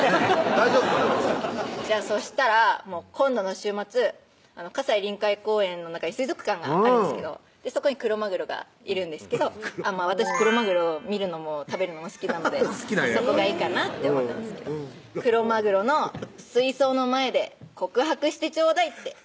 大丈夫かなこの先そしたら今度の週末葛西臨海公園の中に水族館があるんですけどそこにクロマグロがいるんですけど私クロマグロ見るのも食べるのも好きなのでそこがいいかなって思ったんですけど「クロマグロの水槽の前で告白してちょうだい」って